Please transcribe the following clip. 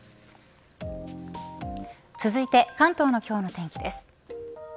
続いて関東の今日の天気です。